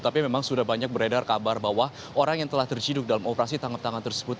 tapi memang sudah banyak beredar kabar bahwa orang yang telah terciduk dalam operasi tangkap tangan tersebut